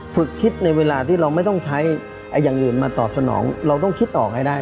ฝึกคิดในเวลาที่เราไม่ต้องใช้อย่างอื่นมาตอบสนองเราต้องคิดออกให้ได้